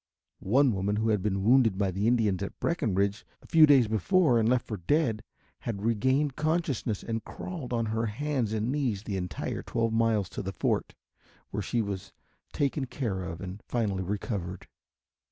One woman who had been wounded by the Indians at Breckenridge a few days before and left for dead, had regained consciousness and crawled on her hands and knees the entire twelve miles to the fort where she was taken care of and finally recovered.